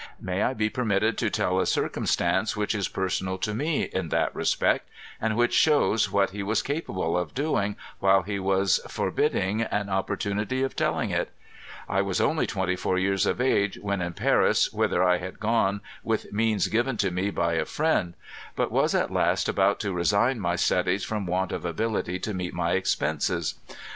May 1 be permited to tell a circumstance which is personal to me in that respect, and which shows what he was capable of doing while he was forbiding an opportunity of telling it I was only 24 years of age when in Paris, whither I had gone with means given to me by a friend; but was at last about to resign my studies from want of ability to meet my expenses.